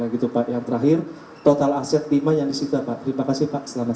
lagi tupai yang terakhir total aset timah yang disitu terima kasih pak selamat